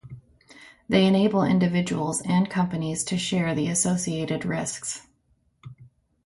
They enable individuals and companies to share the associated risks.